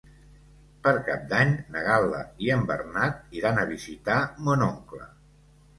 Per Cap d'Any na Gal·la i en Bernat iran a visitar mon oncle.